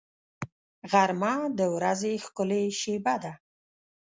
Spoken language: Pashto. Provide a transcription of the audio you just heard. غرمه د ورځې ښکلې شېبه ده